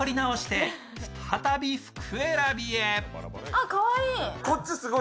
あ、かわいい！